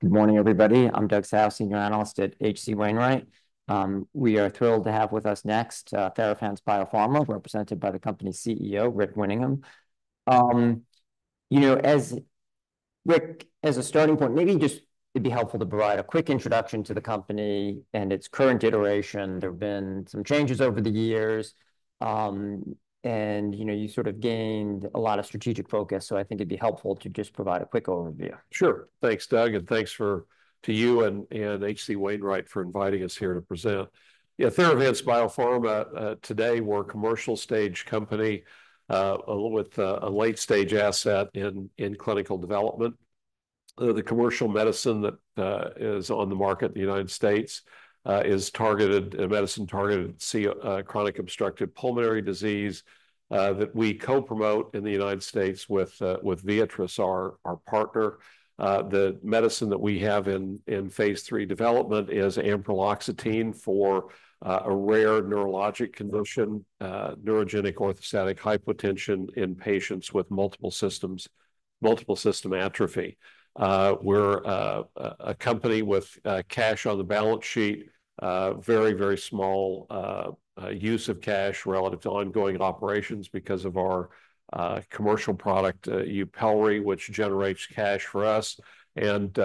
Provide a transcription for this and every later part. Good morning, everybody. I'm Doug Tsao, senior analyst at H.C. Wainwright. We are thrilled to have with us next, Theravance Biopharma, represented by the company's CEO, Rick Winningham. You know, as Rick, as a starting point, maybe just it'd be helpful to provide a quick introduction to the company and its current iteration. There have been some changes over the years, and, you know, you sort of gained a lot of strategic focus, so I think it'd be helpful to just provide a quick overview. Sure. Thanks, Doug, and thanks to you and H.C. Wainwright for inviting us here to present. Yeah, Theravance Biopharma today we're a commercial stage company with a late-stage asset in clinical development. The commercial medicine that is on the market in the United States is a medicine targeted to COPD, chronic obstructive pulmonary disease, that we co-promote in the United States with Viatris, our partner. The medicine that we have in phase III development is ampreloxetine for a rare neurologic condition, neurogenic orthostatic hypotension in patients with multiple system atrophy. We're a company with cash on the balance sheet. Very, very small use of cash relative to ongoing operations because of our commercial product, Yupelri, which generates cash for us, and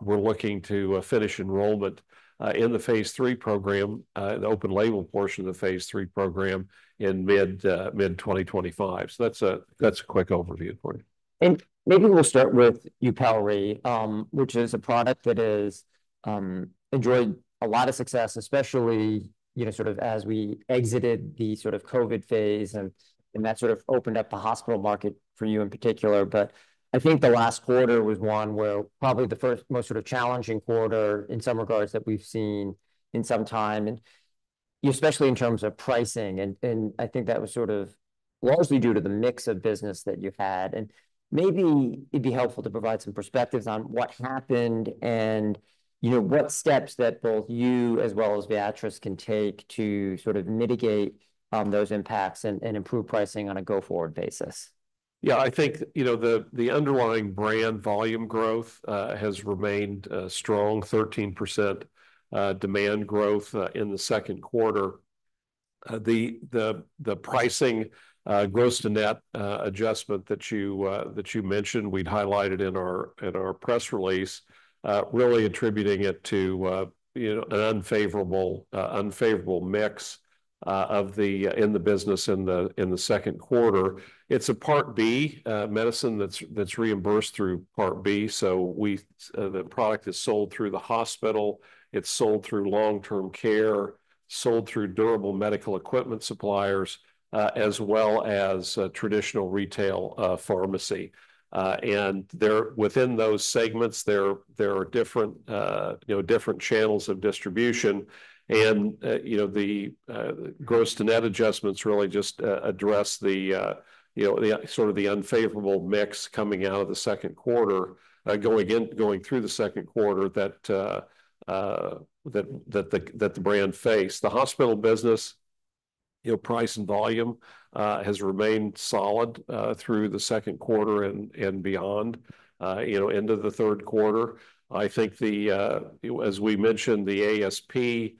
we're looking to finish enrollment in the phase III program, the open label portion of the phase III program in mid twenty twenty-five. So that's a quick overview for you. Maybe we'll start with Yupelri, which is a product that has enjoyed a lot of success, especially, you know, sort of as we exited the sort of COVID phase, and that sort of opened up the hospital market for you in particular. I think the last quarter was one where probably the first most sort of challenging quarter in some regards, that we've seen in some time, and especially in terms of pricing, and I think that was sort of largely due to the mix of business that you've had. Maybe it'd be helpful to provide some perspectives on what happened and, you know, what steps that both you as well as Viatris can take to sort of mitigate those impacts and improve pricing on a go-forward basis. Yeah, I think, you know, the underlying brand volume growth has remained strong, 13% demand growth in the second quarter. The pricing gross-to-net adjustment that you mentioned, we'd highlighted in our press release, really attributing it to, you know, an unfavorable mix of the business in the second quarter. It's a Part B medicine that's reimbursed through Part B, so we. The product is sold through the hospital, it's sold through long-term care, sold through durable medical equipment suppliers, as well as traditional retail pharmacy. And there, within those segments, there are different, you know, different channels of distribution and, you know, the gross to net adjustments really just address the, you know, the sort of the unfavorable mix coming out of the second quarter, going in, going through the second quarter, that the brand faced. The hospital business, you know, price and volume, has remained solid, through the second quarter and beyond, you know, into the third quarter. I think the, as we mentioned, the ASP,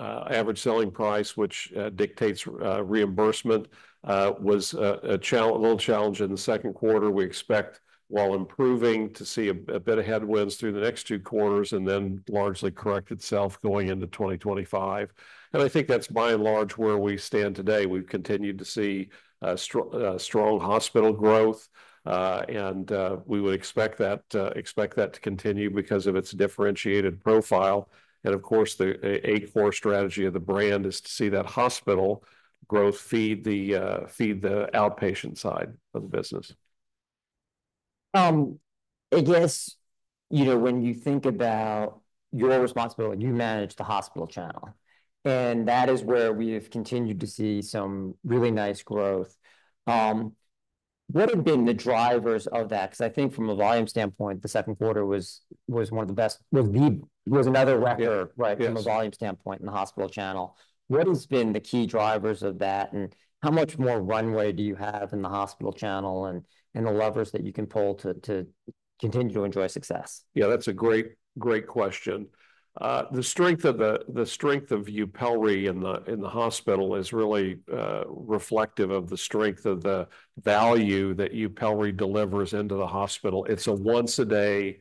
average selling price, which dictates reimbursement, was a little challenging in the second quarter. We expect, while improving, to see a bit of headwinds through the next two quarters and then largely correct itself going into 2025, and I think that's by and large where we stand today. We've continued to see strong hospital growth, and we would expect that to continue because of its differentiated profile. And of course, the core strategy of the brand is to see that hospital growth feed the outpatient side of the business. I guess, you know, when you think about your responsibility, you manage the hospital channel, and that is where we've continued to see some really nice growth. What have been the drivers of that? Because I think from a volume standpoint, the second quarter was one of the best, another record right from a volume standpoint in the hospital channel. What has been the key drivers of that, and how much more runway do you have in the hospital channel and the levers that you can pull to continue to enjoy success? Yeah, that's a great, great question. The strength of the, the strength of Yupelri in the, in the hospital is really reflective of the strength of the value that Yupelri delivers into the hospital. It's a once-a-day,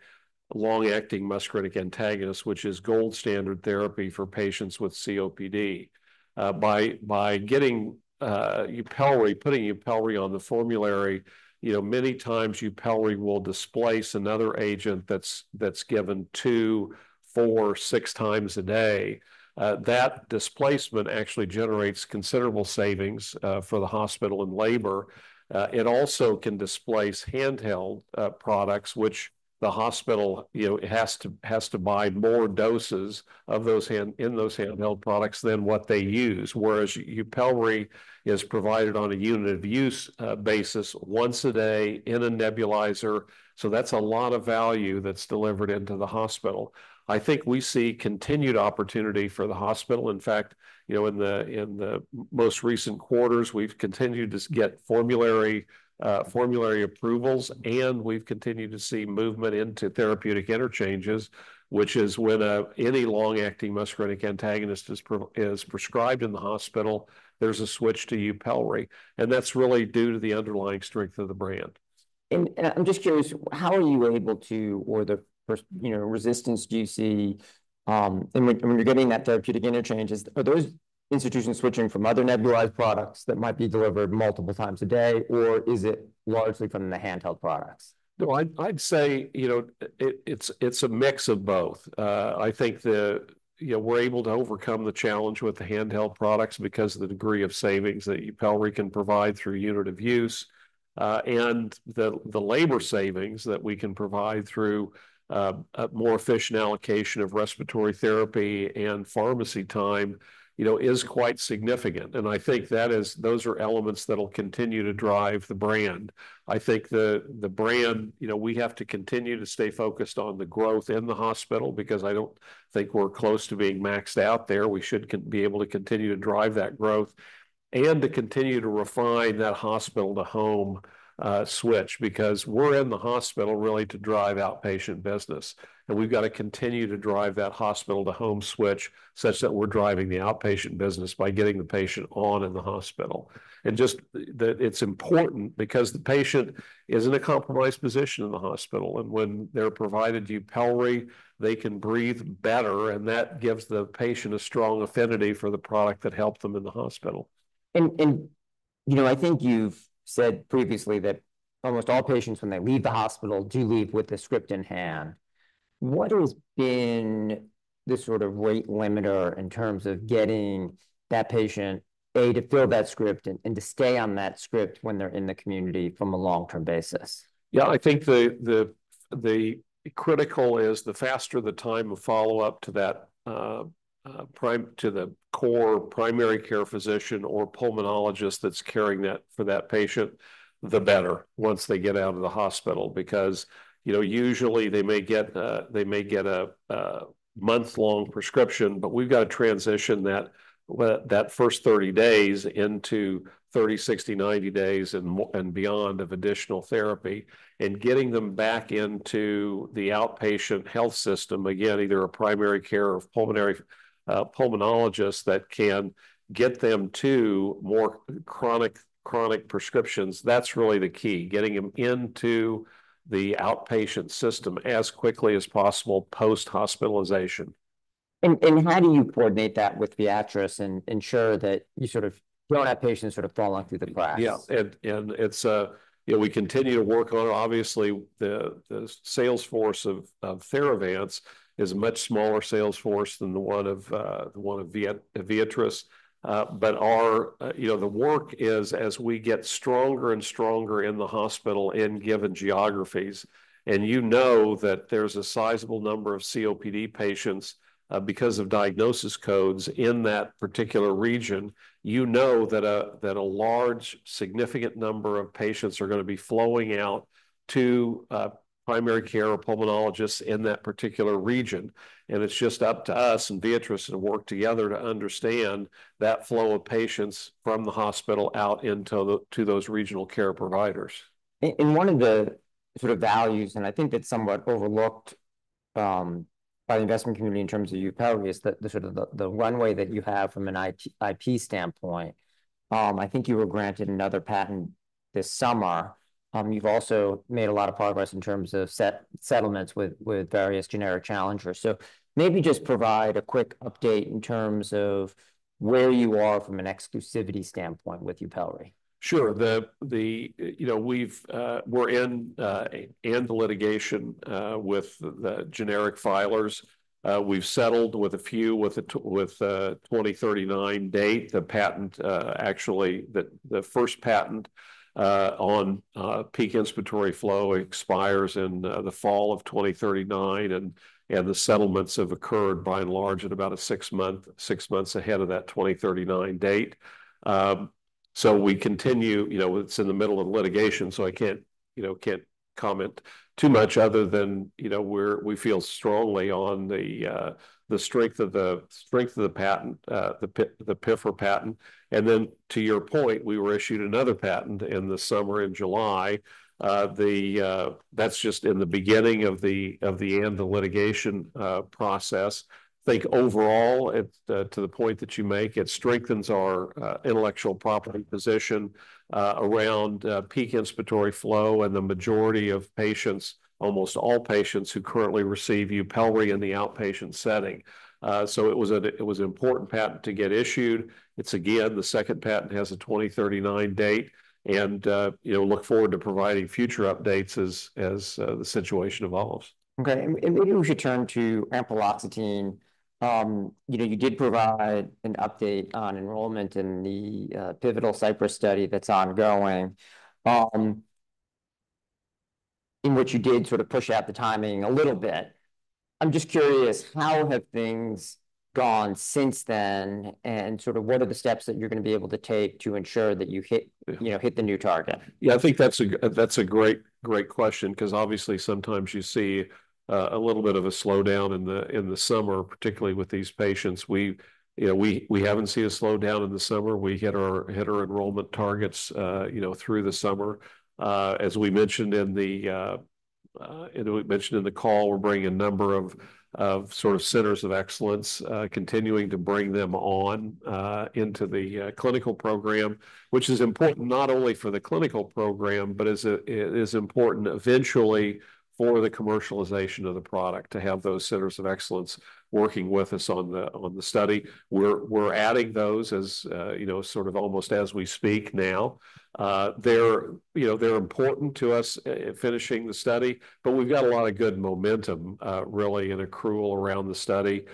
long-acting muscarinic antagonist, which is gold-standard therapy for patients with COPD. By getting Yupelri, putting Yupelri on the formulary, you know, many times Yupelri will displace another agent that's given two, four, six times a day. That displacement actually generates considerable savings for the hospital and labor. It also can displace handheld products, which the hospital, you know, has to buy more doses of those handheld products than what they use, whereas Yupelri is provided on a unit of use basis once a day in a nebulizer. So that's a lot of value that's delivered into the hospital. I think we see continued opportunity for the hospital. In fact, you know, in the most recent quarters, we've continued to get formulary approvals, and we've continued to see movement into therapeutic interchanges, which is when any long-acting muscarinic antagonist is prescribed in the hospital, there's a switch to Yupelri, and that's really due to the underlying strength of the brand. I'm just curious, how are you able to or the first, you know, resistance do you see, and when you're getting that therapeutic interchange, are those institutions switching from other nebulized products that might be delivered multiple times a day, or is it largely from the handheld products? No, I'd say, you know, it's a mix of both. I think, you know, we're able to overcome the challenge with the handheld products because of the degree of savings that Yupelri can provide through unit of use. And the labor savings that we can provide through a more efficient allocation of respiratory therapy and pharmacy time, you know, is quite significant, and I think that is, those are elements that'll continue to drive the brand. I think the brand, you know, we have to continue to stay focused on the growth in the hospital because I don't think we're close to being maxed out there. We should be able to continue to drive that growth and to continue to refine that hospital-to-home switch, because we're in the hospital really to drive outpatient business. We've got to continue to drive that hospital-to-home switch such that we're driving the outpatient business by getting the patient on in the hospital, and just that it's important because the patient is in a compromised position in the hospital, and when they're provided Yupelri, they can breathe better, and that gives the patient a strong affinity for the product that helped them in the hospital. You know, I think you've said previously that almost all patients, when they leave the hospital, do leave with a script in hand. What has been the sort of rate limiter in terms of getting that patient to fill that script and to stay on that script when they're in the community from a long-term basis? Yeah, I think the critical is the faster the time of follow-up to that primary care physician or pulmonologist that's caring for that patient, the better once they get out of the hospital. Because, you know, usually they may get a month-long prescription, but we've got to transition that first thirty days into thirty, sixty, ninety days and beyond of additional therapy, and getting them back into the outpatient health system, again, either primary care or pulmonologist that can get them to more chronic prescriptions, that's really the key, getting them into the outpatient system as quickly as possible post-hospitalization. How do you coordinate that with Viatris and ensure that you sort of don't have patients sort of falling through the cracks? Yeah. And it's, you know, we continue to work on it. Obviously, the sales force of Theravance is a much smaller sales force than the one of Viatris. But our, you know, the work is, as we get stronger and stronger in the hospital in given geographies, and you know that there's a sizable number of COPD patients, because of diagnosis codes in that particular region, you know that a large, significant number of patients are going to be flowing out to primary care pulmonologists in that particular region. And it's just up to us and Viatris to work together to understand that flow of patients from the hospital out into those regional care providers. And one of the sort of values, and I think that's somewhat overlooked by the investment community in terms of Yupelri, is the sort of runway that you have from an IP standpoint. I think you were granted another patent this summer. You've also made a lot of progress in terms of settlements with various generic challengers. So maybe just provide a quick update in terms of where you are from an exclusivity standpoint with Yupelri. Sure. You know, we've... we're in the litigation with the generic filers. We've settled with a few, with a twenty thirty-nine date. The patent, actually, the first patent on peak inspiratory flow expires in the fall of twenty thirty-nine, and the settlements have occurred by and large at about six months ahead of that twenty thirty-nine date. So we continue, you know, it's in the middle of litigation, so I can't, you know, can't comment too much other than, you know, we feel strongly on the strength of the patent, the PIFR patent. And then, to your point, we were issued another patent in the summer, in July. The... That's just in the beginning of the end of the litigation process. I think overall, to the point that you make, it strengthens our intellectual property position around peak inspiratory flow and the majority of patients, almost all patients who currently receive Yupelri in the outpatient setting. So it was an important patent to get issued. It's again, the second patent has a 2039 date, and you know, look forward to providing future updates as the situation evolves. Okay, and maybe we should turn to ampreloxetine. You know, you did provide an update on enrollment in the pivotal Cypress study that's ongoing, in which you did sort of push out the timing a little bit. I'm just curious, how have things gone since then, and sort of what are the steps that you're going to be able to take to ensure that you hit, you know, hit the new target? Yeah, I think that's a great, great question because obviously sometimes you see a little bit of a slowdown in the summer, particularly with these patients. We, you know, we haven't seen a slowdown in the summer. We hit our enrollment targets, you know, through the summer. As we mentioned in the call, we're bringing a number of centers of excellence, continuing to bring them on into the clinical program, which is important not only for the clinical program, but is important eventually for the commercialization of the product, to have those centers of excellence working with us on the study. We're adding those as, you know, sort of almost as we speak now. They're, you know, they're important to us in finishing the study, but we've got a lot of good momentum, really, and accrual around the study.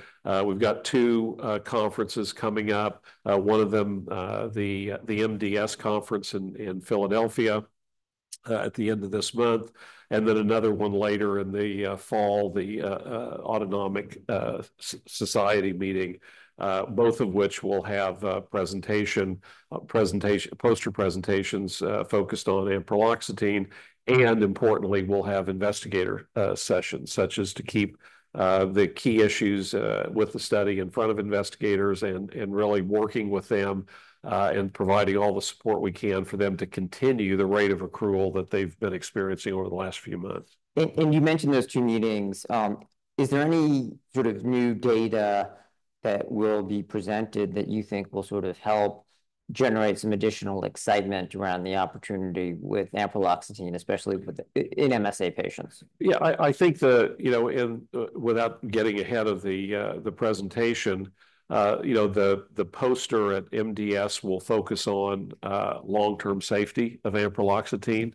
We've got two conferences coming up. One of them, the MDS conference in Philadelphia at the end of this month, and then another one later in the fall, the American Autonomic Society meeting, both of which will have poster presentations focused on ampreloxetine. Importantly, we'll have investigator sessions, such as to keep the key issues with the study in front of investigators and really working with them and providing all the support we can for them to continue the rate of accrual that they've been experiencing over the last few months. You mentioned those two meetings. Is there any sort of new data that will be presented that you think will sort of help generate some additional excitement around the opportunity with ampreloxetine, especially in MSA patients? Yeah, I think you know, and without getting ahead of the presentation, you know, the poster at MDS will focus on long-term safety of ampreloxetine.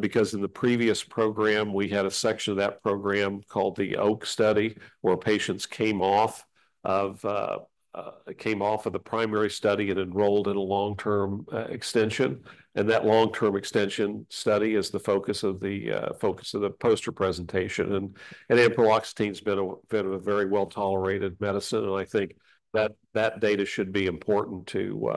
Because in the previous program, we had a section of that program called the old study, where patients came off of the primary study and enrolled in a long-term extension. And that long-term extension study is the focus of the poster presentation. And ampreloxetine's been a very well-tolerated medicine, and I think that data should be important to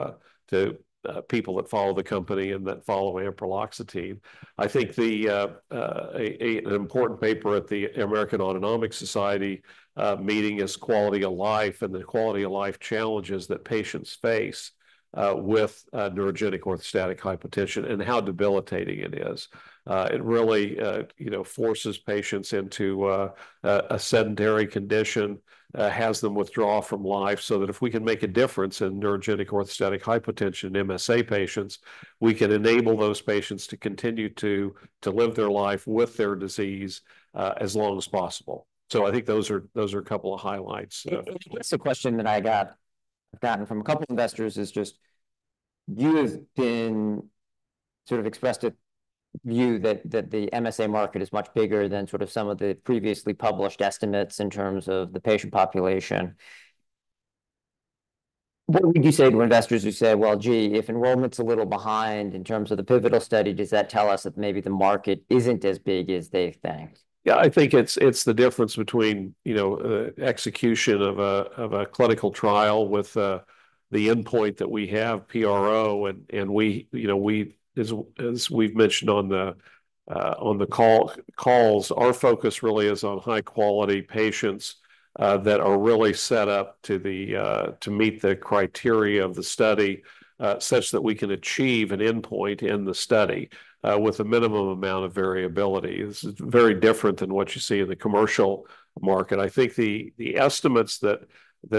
people that follow the company and that follow ampreloxetine. I think the... An important paper at the American Autonomic Society meeting is quality of life and the quality-of-life challenges that patients face with neurogenic orthostatic hypotension and how debilitating it is. It really you know forces patients into a sedentary condition, has them withdraw from life, so that if we can make a difference in neurogenic orthostatic hypotension in MSA patients, we can enable those patients to continue to live their life with their disease as long as possible. So I think those are a couple of highlights. It's a question that I've gotten from a couple investors, is just you have been sort of expressed a view that the MSA market is much bigger than sort of some of the previously published estimates in terms of the patient population. What would you say to investors who say: "Well, gee, if enrollment's a little behind in terms of the pivotal study, does that tell us that maybe the market isn't as big as they think? Yeah, I think it's the difference between, you know, execution of a clinical trial with the endpoint that we have, PRO, and we, you know, we as we've mentioned on the calls, our focus really is on high-quality patients that are really set up to meet the criteria of the study such that we can achieve an endpoint in the study with a minimum amount of variability. This is very different than what you see in the commercial market. I think the estimates that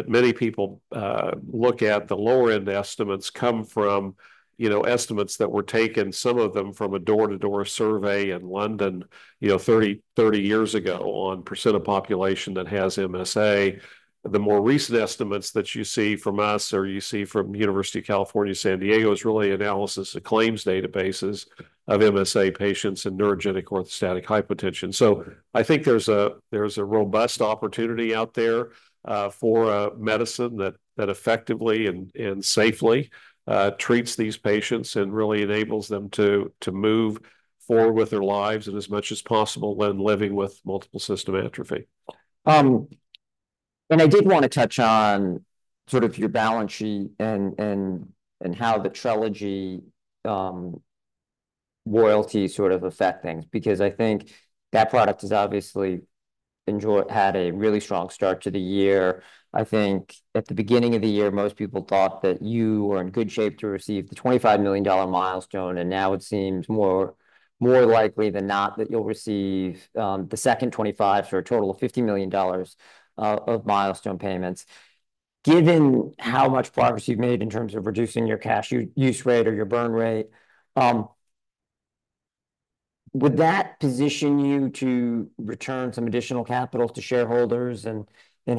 many people look at, the lower-end estimates, come from, you know, estimates that were taken, some of them from a door-to-door survey in London, you know, thirty years ago, on percent of population that has MSA. The more recent estimates that you see from us or you see from University of California, San Diego, is really analysis of claims databases of MSA patients and neurogenic orthostatic hypotension. So I think there's a robust opportunity out there for a medicine that effectively and safely treats these patients and really enables them to move forward with their lives and as much as possible when living with Multiple System Atrophy. And I did want to touch on sort of your balance sheet and how the Trelegy royalty sort of affect things, because I think that product has obviously had a really strong start to the year. I think at the beginning of the year, most people thought that you were in good shape to receive the $25 million milestone, and now it seems more likely than not that you'll receive the second $25, for a total of $50 million of milestone payments. Given how much progress you've made in terms of reducing your cash use rate or your burn rate, would that position you to return some additional capital to shareholders?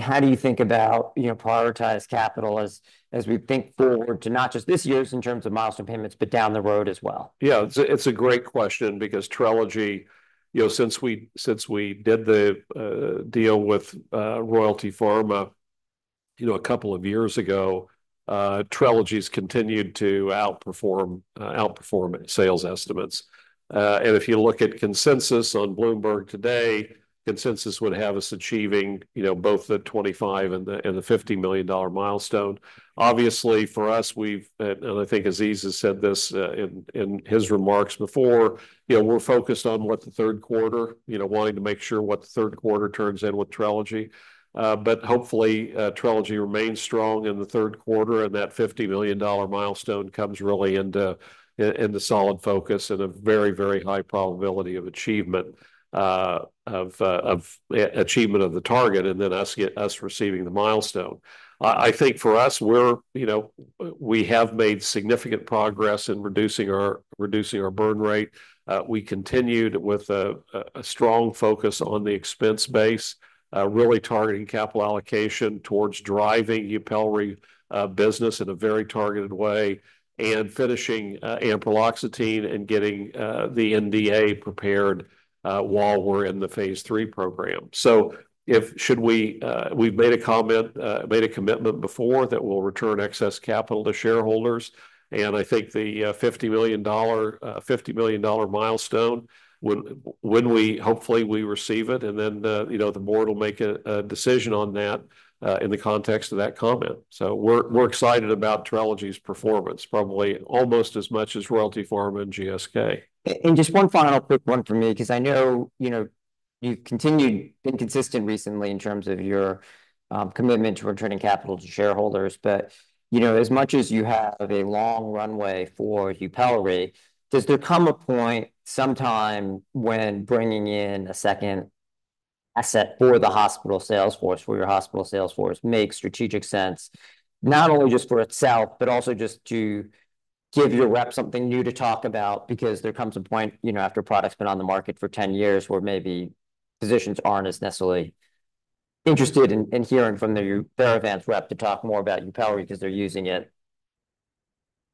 How do you think about, you know, prioritize capital as we think forward to not just this year's in terms of milestone payments, but down the road as well? Yeah, it's a great question because Trelegy, you know, since we did the deal with Royalty Pharma, you know, a couple of years ago, Trelegy's continued to outperform sales estimates. And if you look at consensus on Bloomberg today, consensus would have us achieving, you know, both the $25 million and the $50 million milestone. Obviously, for us, I think Aziz has said this in his remarks before, you know, we're focused on what the third quarter turns in with Trelegy. But hopefully, Trelegy remains strong in the third quarter, and that $50 million milestone comes really into solid focus and a very, very high probability of achievement of the target, and then us receiving the milestone. I think for us, we're, you know, we have made significant progress in reducing our burn rate. We continued with a strong focus on the expense base, really targeting capital allocation towards driving Yupelri business in a very targeted way, and finishing ampreloxetine and getting the NDA prepared, while we're in the phase III program. So if... Should we. We've made a commitment before that we'll return excess capital to shareholders, and I think the $50 million milestone, when we hopefully receive it, and then, you know, the board will make a decision on that in the context of that comment. So we're excited about Trelegy's performance, probably almost as much as Royalty Pharma and GSK. And just one final quick one for me, because I know, you know, you've continued, been consistent recently in terms of your, commitment to returning capital to shareholders. But, you know, as much as you have a long runway for Yupelri, does there come a point sometime when bringing in a second asset for the hospital sales force, for your hospital sales force, makes strategic sense, not only just for itself, but also just to give your rep something new to talk about? Because there comes a point, you know, after a product's been on the market for 10 years, where maybe physicians aren't as necessarily interested in, in hearing from the Theravance rep to talk more about Yupelri because they're using it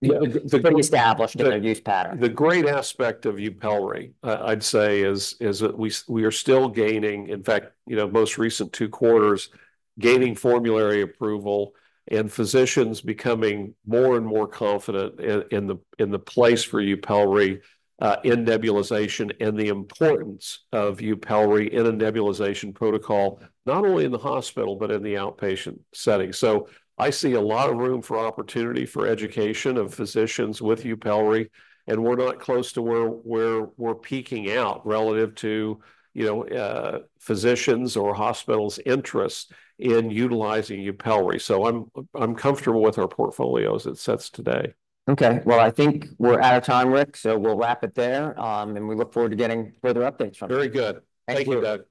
An established use pattern. The great aspect of Yupelri, I'd say is that we are still gaining, in fact, you know, most recent two quarters, gaining formulary approval and physicians becoming more and more confident in the place for Yupelri in nebulization, and the importance of Yupelri in a nebulization protocol, not only in the hospital, but in the outpatient setting. I see a lot of room for opportunity for education of physicians with Yupelri, and we're not close to where we're peaking out relative to, you know, physicians' or hospitals' interest in utilizing Yupelri. I'm comfortable with our portfolio as it sits today. Okay, well, I think we're out of time, Rick, so we'll wrap it there, and we look forward to getting further updates from you. Very good. Thank you. Thank you, Doug.